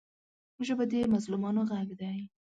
ژبه د مظلومانو غږ دی